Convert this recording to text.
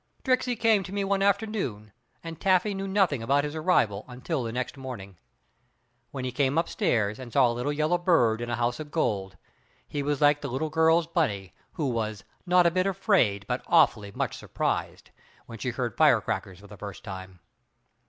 Tricksey came to me one afternoon and Taffy knew nothing about his arrival until the next morning. When he came upstairs and saw a little yellow bird in a house of gold, he was like the little girl's Bunnie, who "was not a bit afraid, but awfully much surprised," when she heard firecrackers for the first time.